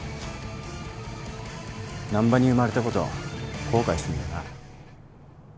難破に生まれたことを後悔すんだな。